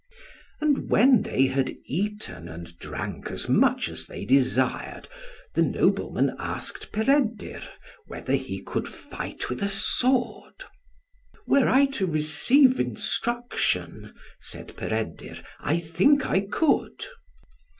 And when they had eaten and drank as much as they desired, the nobleman asked Peredur, whether he could fight with a sword? "Were I to receive instruction," said Peredur, "I think I could."